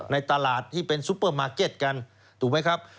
ในตลาดที่เป็นซุปเปอร์มาร์เก็ตกันถูกไหมครับ